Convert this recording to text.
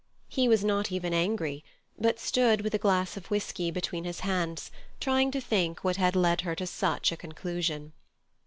He was not even angry, but stood, with a glass of whiskey between his hands, trying to think what had led her to such a conclusion.